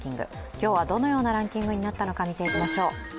今日はどのようなランキングになったのか見ていきましょう。